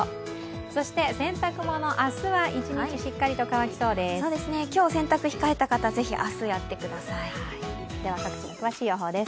そして洗濯物、明日は一日しっかりと乾きそうです。